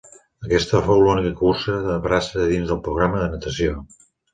Aquesta fou l'única cursa de braça dins el programa de natació.